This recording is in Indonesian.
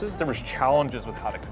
ada tantangan dengan cara mengadakan